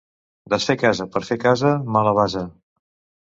Desfer casa per fer casa, mala basa.